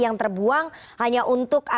yang terbuang hanya untuk